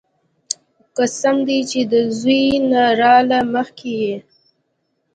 قسم دې چې د زوى نه راله مخکې يې.